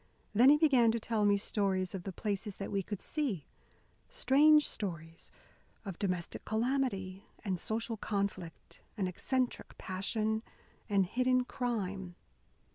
Then he began to tell me stories of the places that we could see strange stories of domestic calamity, and social conflict, and eccentric passion, and hidden crime.